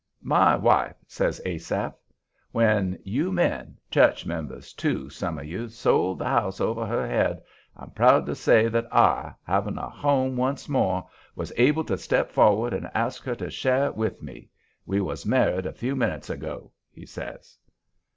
"My wife," says Asaph. "When you men church members, too, some of you sold the house over her head, I'm proud to say that I, having a home once more, was able to step for'ard and ask her to share it with me. We was married a few minutes ago," he says.